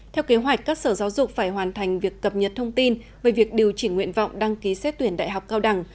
theo kế hoạch các sở giáo dục phải hoàn thành việc cập nhật thông tin về việc điều chỉnh nguyện vọng đăng ký xét tuyển đại học cao đẳng